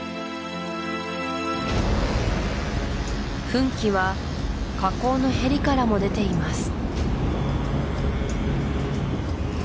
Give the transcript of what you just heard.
噴気は火口のへりからも出ています